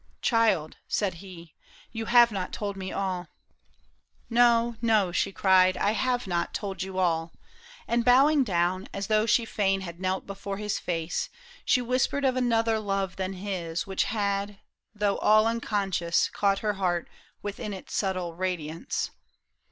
" Child," said he, " You have not told me all." " No, no," she cried, " I have not told you all." And bowing down As though she fain had knelt before his face. She whispered of another love than his Which had, though all unconscious, caught her heart Within its subtle radiance.